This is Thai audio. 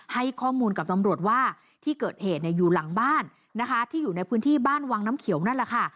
ให้ข้อมูลกับตำรวจว่าที่เกิดเหตุเนี่ยอยู่หลังบ้านนะคะที่อยู่ในพื้นที่บ้านวังน้ำเขียวนั่นแหละค่ะ